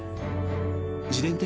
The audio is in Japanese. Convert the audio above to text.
自伝的